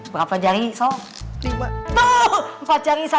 berapa jari so